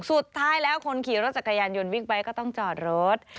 สุดท้ายแล้วคนขี่รถจักรยานยนต์บิ๊กไบท์ก็ต้องจอดรถ